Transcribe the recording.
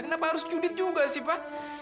kenapa harus cuit juga sih pak